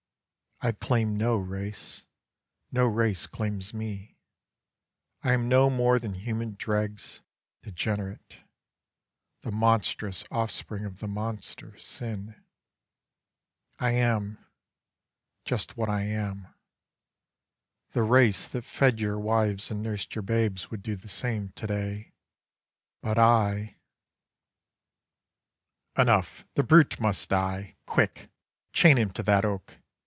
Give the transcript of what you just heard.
I claim no race, no race claims me; I am No more than human dregs; degenerate; The monstrous offspring of the monster, Sin; I am just what I am.... The race that fed Your wives and nursed your babes would do the same To day, but I Enough, the brute must die! Quick! Chain him to that oak!